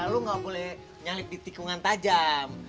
lo gak boleh nyalip di tikungan tajam